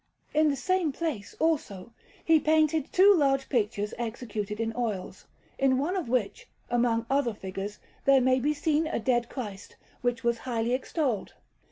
Canvas_)] In the same place, also, he painted two large pictures executed in oils, in one of which, among other figures, there may be seen a Dead Christ, which was highly extolled.